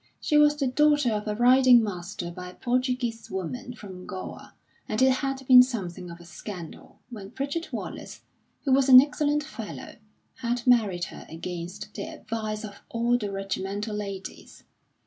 She was the daughter of a riding master by a Portuguese woman from Goa, and it had been something of a scandal when Pritchard Wallace, who was an excellent fellow, had married her against the advice of all the regimental ladies.